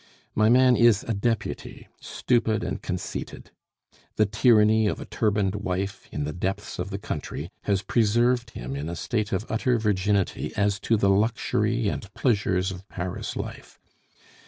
My man is a deputy, stupid and conceited; the tyranny of a turbaned wife, in the depths of the country, has preserved him in a state of utter virginity as to the luxury and pleasures of Paris life.